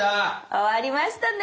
終わりましたね！